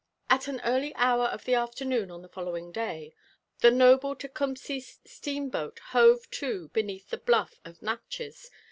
At 9n early hour of the afternoon on the following day, the noUe Tocumseh steam boat hove to beneath the bluff of Natchez.